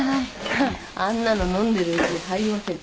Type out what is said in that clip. フッあんなの飲んでるうちに入りません。